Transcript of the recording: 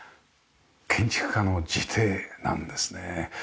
建築家の自邸なんですね。